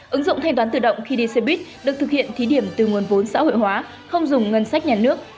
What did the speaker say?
ứng dụng thanh toán tự động khi đi xe buýt được thực hiện thí điểm từ nguồn vốn xã hội hóa không dùng ngân sách nhà nước